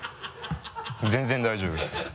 全然大丈夫です。